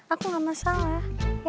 aku gak masalah